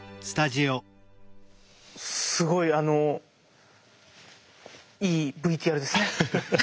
すごいあのいいＶＴＲですね。